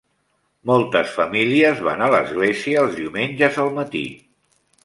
Moltes famílies van a l'església els diumenges al matí.